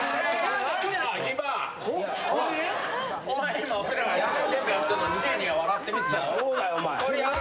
お前今俺らが一生懸命やってんのにニヤニヤ笑って見てただろ。